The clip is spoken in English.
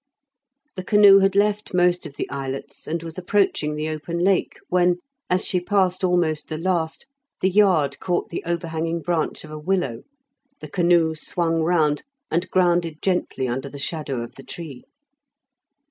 The canoe had left most of the islets and was approaching the open Lake when, as she passed almost the last, the yard caught the overhanging branch of a willow, the canoe swung round and grounded gently under the shadow of the tree.